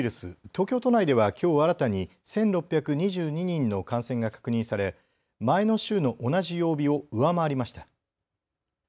東京都内ではきょう新たに１６２２人の感染が確認され前の週の同じ曜日を上回りました。